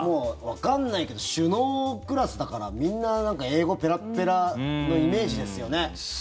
わかんないけど首脳クラスだからみんな英語ペラペラのイメージですよね。